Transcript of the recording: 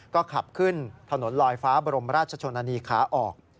ก็ขับขึ้นถนนลอยฟ้าบรมราชชนนานีขาออก